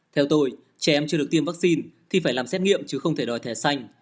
theo tôi trẻ em chưa được tiêm vaccine thì phải làm xét nghiệm chứ không thể đòi thẻ xanh